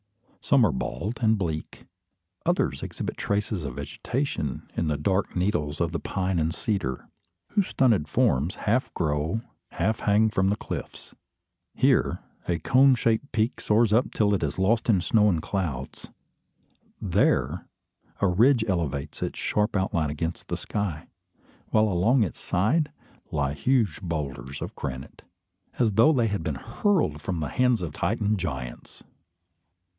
Some are bald and bleak; others exhibit traces of vegetation in the dark needles of the pine and cedar, whose stunted forms half grow, half hang from the cliffs. Here, a cone shaped peak soars up till it is lost in snow and clouds. There, a ridge elevates its sharp outline against the sky; while along its side, lie huge boulders of granite, as though they had been hurled from the hands of Titan giants!